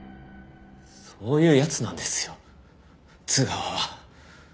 そういう奴なんですよ津川は。